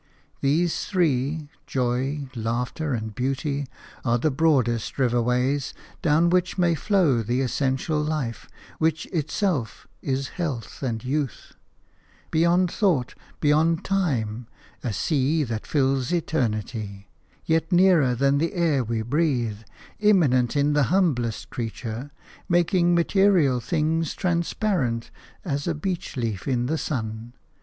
These three – Joy, Laughter, and Beauty – are the broadest river ways down which may flow the essential life which itself is health and youth – beyond thought, beyond time, a sea that fills eternity – yet nearer than the air we breathe, immanent in the humblest creature, making material things transparent as a beech leaf in the sun.